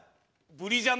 ブリジャン？